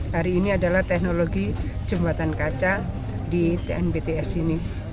hari ini adalah teknologi jembatan kaca di tnbts ini